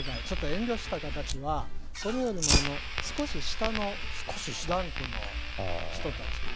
ちょっと遠慮した形はそれよりも少し下のランクの人たち。